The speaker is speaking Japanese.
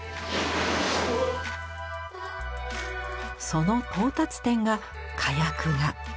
その到達点が火薬画。